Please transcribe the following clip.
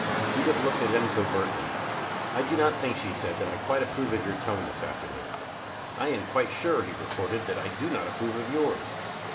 Edith looked at him covertly. "I do not think," she said, "that I quite approve of your tone this afternoon." "I am quite sure," he retorted, "that I do not approve of yours."